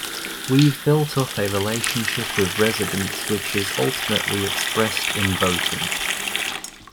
We've built up a relationship with residents which is ultimately expressed in voting.